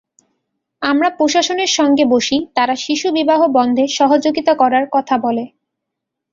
আমরা প্রশাসনের সঙ্গে বসি, তারা শিশুবিবাহ বন্ধে সহযোগিতা করার কথা বলে।